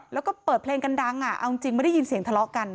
แล้วก็เปิดเพลงกันดังเอาจริงไม่ได้ยินเสียงทะเลาะกัน